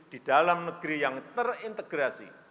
di dalam negeri yang terintegrasi